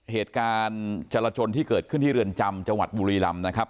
เหตุการณ์จรจนที่เกิดขึ้นที่เรือนจำจังหวัดบุรีรำนะครับ